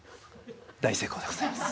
大成功でございます。